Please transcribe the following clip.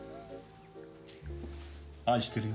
愛してるよ。